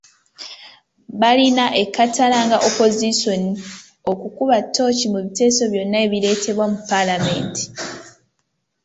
Balina ekkatala nga opozisoni okukuba ttooci mu biteeso byonna ebireetebwa mu Paalamenti .